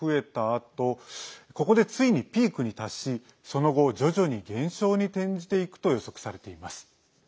あとここで、ついにピークに達しその後徐々に減少に転じていくと予測されています。